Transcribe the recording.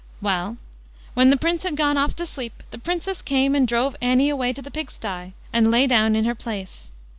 Well, when the Prince had gone off to sleep, the Princess came and drove Annie away to the pigsty, and lay down in her place.